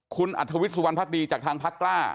คุณอัธวิทย์สุวรรณภักดีจากทางพักกล้า